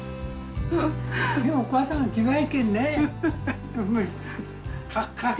でもお母さんがえらいけんね。